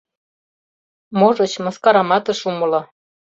Можыч, мыскарамат ыш умыло.